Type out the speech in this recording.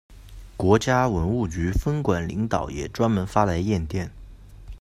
国家文物局分管领导也专门发来唁电。